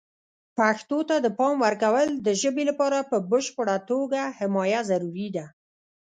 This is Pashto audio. پښتو ته د پام ورکول د ژبې لپاره په بشپړه توګه حمایه ضروري ده.